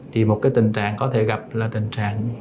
thì một cái tình trạng có thể gặp là tình trạng